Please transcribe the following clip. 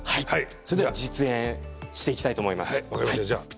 それでは実演していきたいと思います。